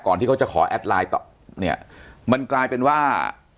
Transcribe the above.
ที่เขาจะขอแอดไลน์ต่อเนี่ยมันกลายเป็นว่า